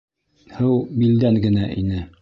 Һыу билдән генә ине.